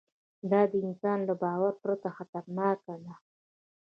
دا د انسان له باور پرته خطرناکه ده.